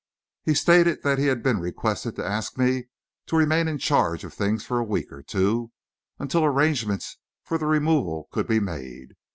He stated that he had been requested to ask me to remain in charge of things for a week or two, until arrangements for the removal could be made.